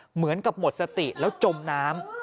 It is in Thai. เหมือนกับหมดสติแล้วจมน้ำ